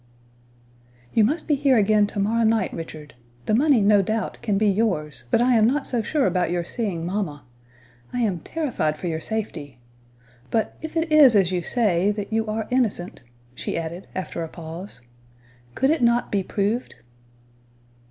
"You must be here again to morrow night, Richard; the money, no doubt, can be yours, but I am not so sure about your seeing mamma. I am terrified for your safety. But, if it is as you say, that you are innocent," she added, after a pause, "could it not be proved?"